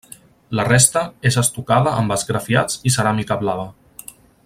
La resta és estucada amb esgrafiats i ceràmica blava.